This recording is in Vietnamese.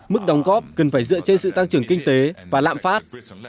mức đóng góp cần phải dựa trên sự tăng trưởng kinh tế và lạm phát